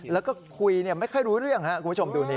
แล้วก็คุยเนี่ยไม่ใช่เรื่องคุณผู้ชมดูนี่